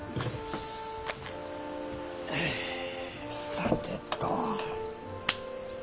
さてと。